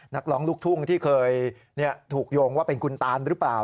นักร้องลูกทุ่งที่เคยถูกโยงว่าเป็นคุณตานหรือเปล่า